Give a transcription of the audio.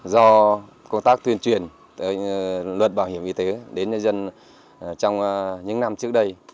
do công tác tuyên truyền luật bảo hiểm y tế đến dân trong những năm trước đây